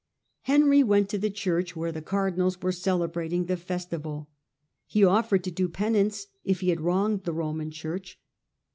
Henry went to the church, where the cardinals were celebrating the festival. He offered to do penance, if he had wronged the Roman Church.